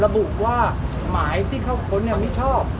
ระบุว่าหมายที่เขาข้นเนี่ยมิวชอบ